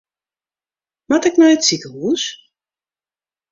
Moat ik nei it sikehús?